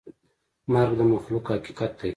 مرګ د مخلوق حقیقت دی.